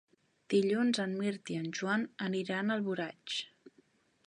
Dilluns en Mirt i en Joan aniran a Alboraig.